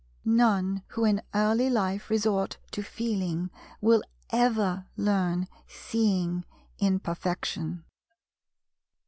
None who in early life resort to "Feeling" will ever learn "Seeing" in perfection.